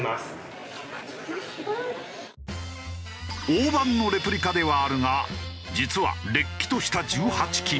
大判のレプリカではあるが実はれっきとした１８金。